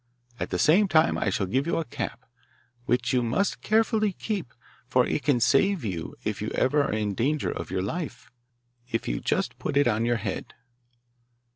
At the same time I shall give you a cap, which you must carefully keep, for it can save you, if you ever are in danger of your life, if you just put it on your head.